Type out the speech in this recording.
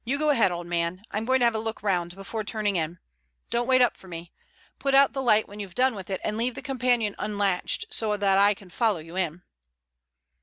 "You go ahead, old man. I'm going to have a look round before turning in. Don't wait up for me. Put out the light when you've done with it and leave the companion unlatched so that I can follow you in."